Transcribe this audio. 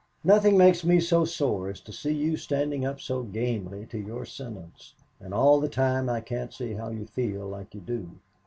Nothing makes me so sore as to see you standing up so gamely to your sentence, and all the time I can't see how you feel like you do.